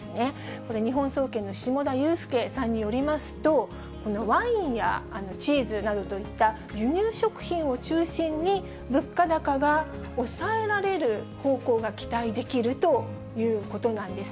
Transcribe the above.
これ日本総研の下田裕介さんによりますと、このワインやチーズなどといった、輸入食品を中心に、物価高が抑えられる方向が期待できるということなんです。